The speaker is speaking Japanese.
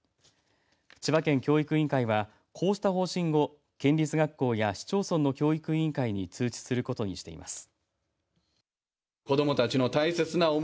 千葉県教育委員会はこうした方針を県立学校や市町村の教育委員会に通知することにしています。